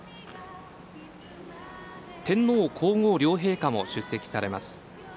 天皇皇后両陛下も出席されます。